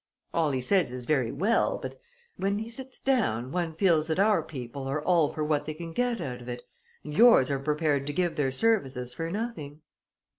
All he says is very well; but when he sits down one feels that our people are all for what they can get out of it and yours are prepared to give their services for nothing."